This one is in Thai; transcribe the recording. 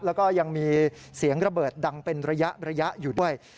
แล้วก็ยังมีเสียงระเบิดดังเป็นระยะอยู่ด้วย